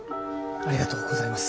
ありがとうございます。